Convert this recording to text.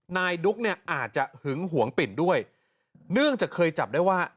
ดุ๊กเนี่ยอาจจะหึงหวงปิ่นด้วยเนื่องจากเคยจับได้ว่า